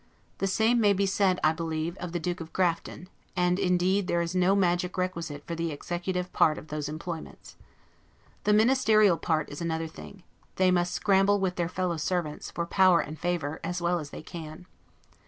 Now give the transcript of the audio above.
The same may be said, I believe, of the Duke of Grafton; and indeed there is no magic requisite for the executive part of those employments. The ministerial part is another thing; they must scramble with their fellow servants, for power and favor, as well as they can.